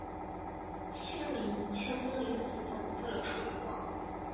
庆封临死讽刺了楚灵王。